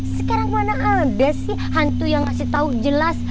sekarang mana ada sih hantu yang ngasih tahu jelas